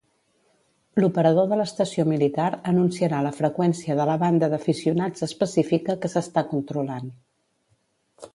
L'operador de l'estació militar anunciarà la freqüència de la banda d'aficionats específica que s'està controlant.